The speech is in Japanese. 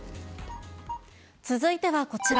続いてはこちら。